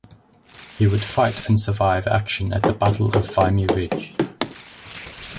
He would fight and survive action at the Battle of Vimy Ridge.